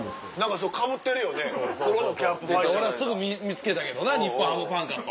俺はすぐ見つけたけどな日本ハムファンかと。